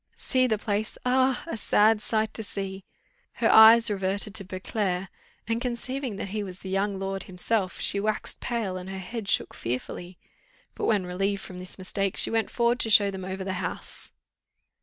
"See the place! ah! a sad sight to see." Her eyes reverted to Beauclerc, and, conceiving that he was the young lord himself, she waxed pale, and her head shook fearfully; but, when relieved from this mistake, she went forward to show them over the house.